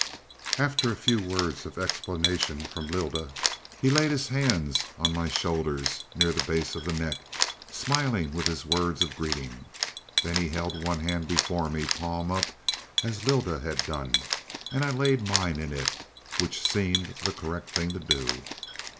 "After a few words of explanation from Lylda, he laid his hands on my shoulders near the base of the neck, smiling with his words of greeting. Then he held one hand before me, palm up, as Lylda had done, and I laid mine in it, which seemed the correct thing to do.